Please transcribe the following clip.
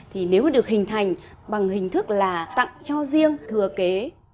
thì nếu mà được hình thành bằng hình thức là tặng cho riêng thừa kế